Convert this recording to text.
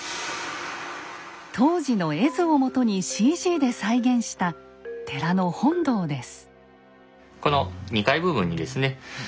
当時の絵図をもとにＣＧで再現した寺の本堂です。